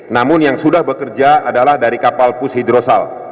namun yang sudah bekerja adalah dari kapal pus hidrosal